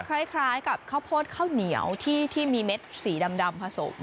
คล้ายกับข้าวโพดข้าวเหนียวที่มีเม็ดสีดำผสม